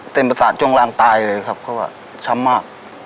เป็นประสาทช่วงรางตายเลยครับเขาว่าช้ำมาก